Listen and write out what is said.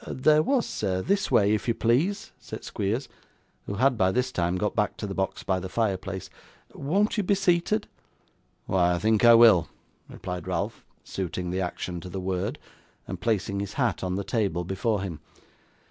'There was, sir. This way, if you please,' said Squeers, who had by this time got back to the box by the fire place. 'Won't you be seated?' 'Why, I think I will,' replied Ralph, suiting the action to the word, and placing his hat on the table before him.